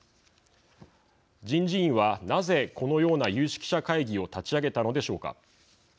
人事院は、なぜこのような有識者会議を立ち上げたのでしょうか。